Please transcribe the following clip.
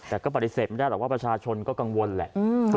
แต่ก็ปฏิเสธไม่ได้หรอกว่าประชาชนก็กังวลแหละ